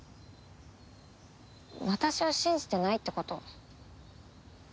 私を信じてないってこと？